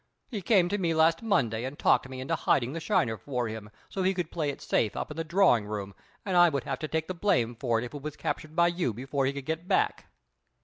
He came to me last Monday and talked me into hiding the shiner for him, so he could play it safe up in the drawing room and I would have to take the blame for it if it was captured by you before he could get back!"